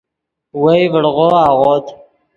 وئے ڤڑغو اغوت